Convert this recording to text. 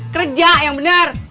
kerja yang bener